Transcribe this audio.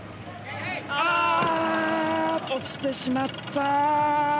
落ちてしまった。